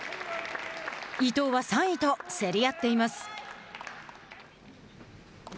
伊藤は３位と競り合っています。